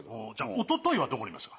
一昨日はどこにいましたか？